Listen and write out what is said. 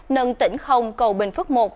nâng tỉnh không cầu bình phước i